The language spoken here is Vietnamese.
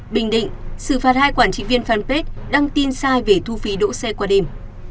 bình định xử phạt hai quản trị viên fanpage đăng tin sai về thu phí đỗ xe qua đêm